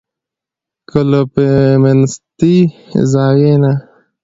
که له فيمنستي زاويې نه